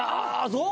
そう？